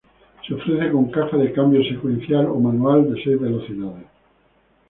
Se ofrece con caja de cambios secuencial o manual de seis velocidades.